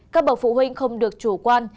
các bậc phụ huynh không được chủ quan